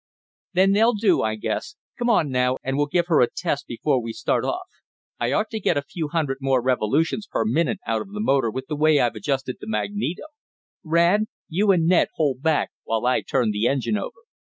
"Then they'll do, I guess. Come on now, and we'll give her a test before we start off. I ought to get a few hundred more revolutions per minute out of the motor with the way I've adjusted the magneto. Rad, you and Ned hold back, while I turn the engine over."